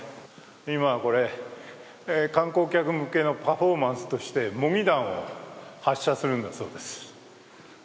今、これ、観光客向けのパフォーマンスとして模擬弾を発射するんだそうです。